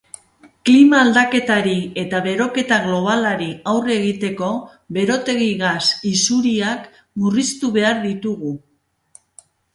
Klima aldaketari eta beroketa globalari aurre egiteko berotegi gas isuriak murriztu behar ditugu.